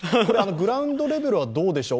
グラウンドレベルはどうでしょう？